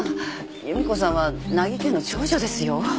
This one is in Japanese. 夕美子さんは名木家の長女ですよ？